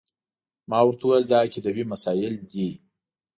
ما ورته وویل دا عقیدوي مسایل دي.